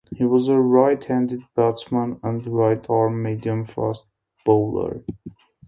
He was a right-handed batsman and a right-arm medium-fast bowler.